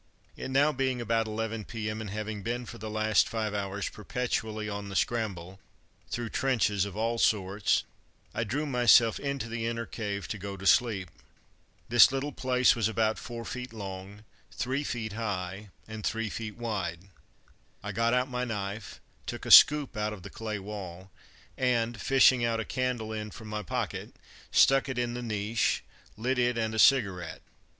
It now being about 11 p.m., and having been for the last five hours perpetually on the scramble, through trenches of all sorts, I drew myself into the inner cave to go to sleep. This little place was about 4 feet long, 3 feet high, and 3 feet wide. I got out my knife, took a scoop out of the clay wall, and fishing out a candle end from my pocket, stuck it in the niche, lit it and a cigarette.